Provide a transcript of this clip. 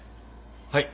はい。